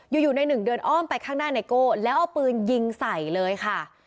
อยู่ในหนึ่งเดินอ้อมไปข้างหน้าไนโก้แล้วเอาปืนยิงใส่เลยค่ะ